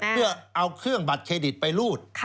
เพื่อเอาเครื่องบัตรเครดิตไปรูด